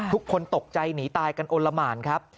ทุกคนตกใจหนีตายกันโอละหมานครับ